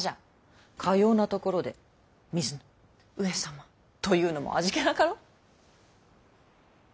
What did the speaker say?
かようなところで水野上様というのも味気なかろう。